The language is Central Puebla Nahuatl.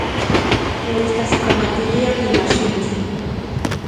Nimitstlasojkamatilia otimajxili